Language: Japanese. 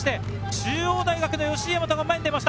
中央大学・吉居大和が前に出ました。